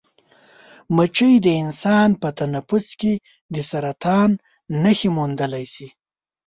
مچۍ د انسان په تنفس کې د سرطان نښې موندلی شي.